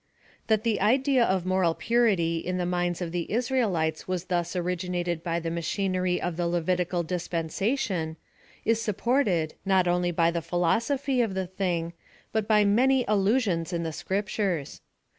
That the idea of moral purity ir. the minds of the Israelites was thus originated by the machinery of the Levitical dispensation, is supported, not only by the philosophy of the thing, but by many allu sions in the scriptures.